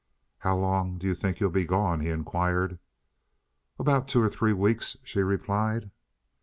"How long do you think you'll be gone?" he inquired. "About two or three weeks," she replied.